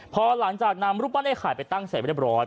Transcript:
พอหลังจากนำรูปปั้นไอ้ไข่ไปตั้งเสร็จเรียบร้อย